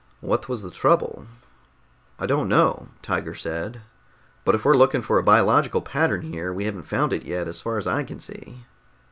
"What was the trouble?" "I don't know," Tiger said, "but if we're looking for a biological pattern here, we haven't found it yet as far as I can see."